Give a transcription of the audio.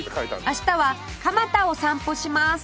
明日は蒲田を散歩します